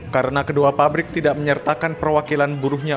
karena kedua pabrik tidak menyertakan perwakilan buruhnya